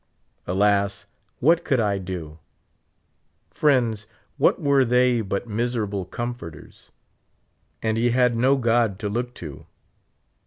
Alas ! what could I do ? Friends, what were thej^ but miserable comforters ? And he had no God to look to